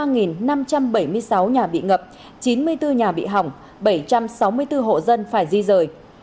nghệ an đã ghi nhận bảy mươi sáu nhà bị ngập chín mươi bốn nhà bị hỏng bảy trăm sáu mươi bốn hộ dân phải di rời